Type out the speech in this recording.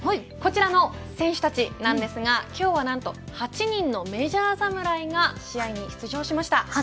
さあ堤さん、こちらの選手たちなんですが今日は何と、８人のメジャー侍が試合に出場しました。